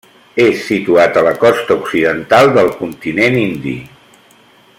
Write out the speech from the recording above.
És situat a la costa occidental del continent indi.